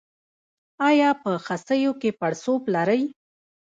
ایا په خصیو کې پړسوب لرئ؟